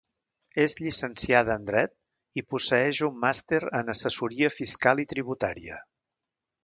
És llicenciada en Dret i posseeix un màster en Assessoria Fiscal i Tributària.